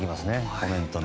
コメントの。